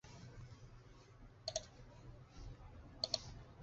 退役后他曾经担任上海中纺机等乙级球队的助理教练。